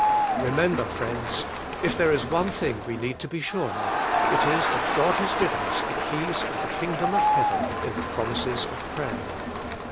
Remember, friends, if there is one thing we need to be sure of, it is that God has given us the keys of the kingdom of heaven in the prom ises of prayer.